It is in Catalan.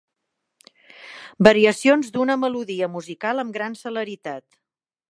Variacions d'una melodia musical amb gran celeritat.